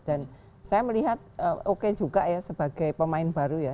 dan saya melihat oke juga ya sebagai pemain baru ya